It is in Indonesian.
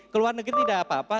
keluar negeri tidak apa apa